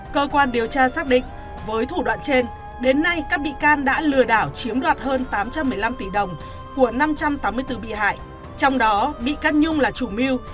cơ quan điều tra xác định với thủ đoạn trên đến nay các bị can đã lừa đảo chiếm đoạt hơn tám trăm một mươi năm tỷ đồng của năm trăm tám mươi bốn bị hại trong đó bị cắt nhung là chủ mưu